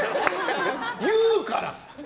言うから！